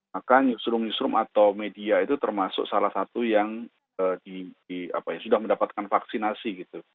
maka newsroom newsroom atau media itu termasuk salah satu yang sudah mendapatkan vaksinasi gitu